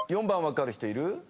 ４番分かる人いる？